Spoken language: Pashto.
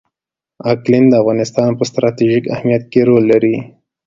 اقلیم د افغانستان په ستراتیژیک اهمیت کې رول لري.